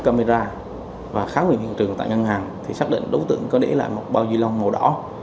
quá trình trích xuất camera và khám nghiệm hiện trường tại ngân hàng thì xác định đối tượng có để lại một bao dư lông màu đỏ